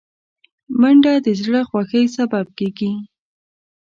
منډه د زړه خوښۍ سبب کېږي